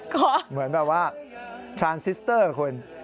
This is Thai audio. ก็เหมือนแบบว่าพรานซิสเตอร์คุณ